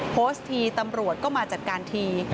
โพสต์ทีตำรวจก็มาจัดการที